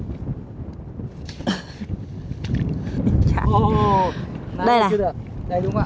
ô này chưa được đây đúng ạ